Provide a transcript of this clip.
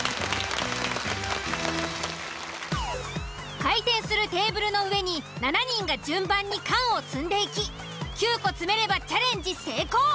回転するテーブルの上に７人が順番に缶を積んでいき９個積めればチャレンジ成功。